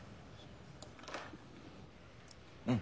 うん。